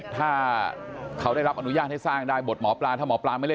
ถ้าเขาได้รับอนุญาตให้สร้างได้บทหมอปลาถ้าหมอปลาไม่เล่น